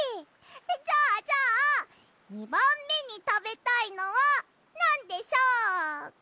じゃあじゃあ２ばんめにたべたいのはなんでしょうか？